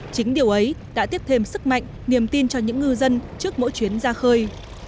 chính điều ấy đã tiếp thêm sức mạnh niềm tin cho những ngư dân trước mỗi chuyến ra khơi